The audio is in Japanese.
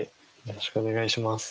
よろしくお願いします。